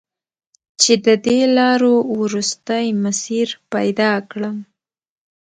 چې د دې لارو، وروستی مسیر پیدا کړم